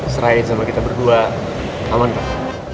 serai sama kita berdua aman pak